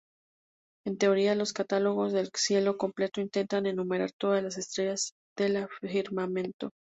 En teoría, los catálogos del cielo completo intentan enumerar todas las estrellas del firmamento.